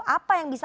apa yang terjadi